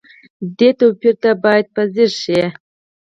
دې توپير ته بايد ښه ځير شئ.